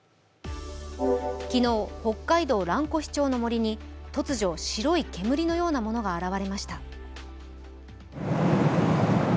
昨日、北海道蘭越町の森に突如、白い煙のようなものが現れました。